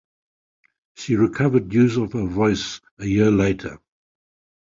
She recovered use of her voice a year later.